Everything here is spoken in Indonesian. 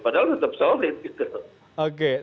padahal tetap solid gitu